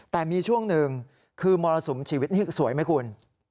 แต่มีช่วงหนึ่งคือมรสุมชีวิตนี่สวยไหมคุณ